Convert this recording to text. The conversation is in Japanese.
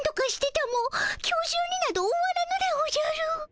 今日じゅうになど終わらぬでおじゃる。